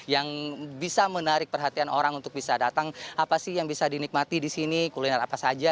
yang bisa menarik perhatian orang untuk bisa datang apa sih yang bisa dinikmati di sini kuliner apa saja